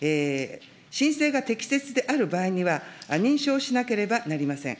申請が適切である場合には、認証しなければなりません。